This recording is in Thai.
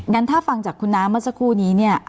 ถ้าฟังจากคุณน้ำเมื่อสักครู่นี้เนี่ย